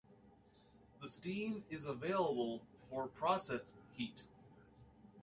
The steam is available for process heat.